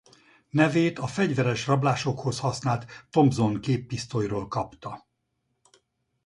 Nevét a fegyveres rablásokhoz használt Thompson-géppisztolyról kapta.